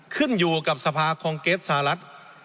ขึ้นอยู่กับสภาคองเกสสหรัฐ